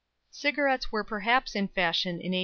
Cigarettes were perhaps in fashion in 1870.